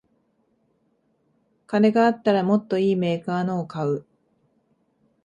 金があったらもっといいメーカーのを買う